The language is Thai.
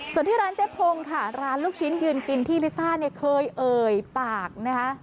ส่วนที่ร้านเจ๊พงค่ะร้านลูกชิ้นยืนกินที่ลิซ่าเนี่ยเคยเอ่ยปากนะคะ